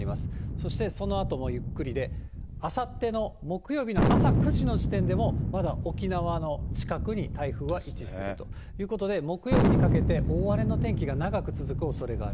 そしてそのあともゆっくりで、あさっての木曜日の朝９時の時点でも、まだ沖縄の近くに台風は位置するということで、木曜日にかけて、大荒れの天気が長く続くおそれがある。